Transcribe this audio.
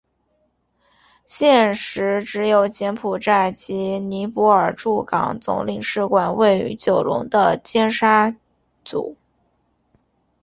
现时只有柬埔寨及尼泊尔驻港总领事馆位于九龙的尖沙咀。